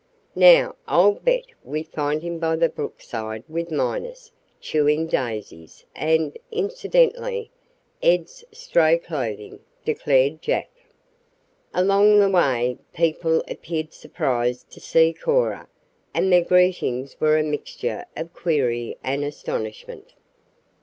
"Now, I'll bet we find him by the brookside with Minus chewing daisies and, incidentally, Ed's stray clothing," declared Jack. Along the way people appeared surprised to see Cora, and their greetings were a mixture of query and astonishment.